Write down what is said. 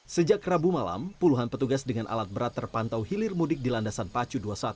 sejak rabu malam puluhan petugas dengan alat berat terpantau hilir mudik di landasan pacu dua puluh satu